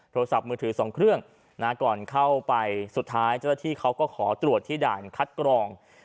โทรศัพท์มือถือ๒เครื่องก่อนเข้าไปสุดท้ายเจ้าหน้าที่เขาก็ขอตรวจที่ด่านคัดกรอง